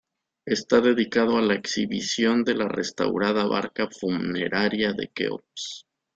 Está dedicado a la exhibición de la restaurada barca funeraria de Keops.